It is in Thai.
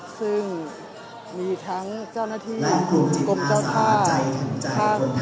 ซึ่งมีทั้งเจ้าหน้าที่กรมเจ้าท่า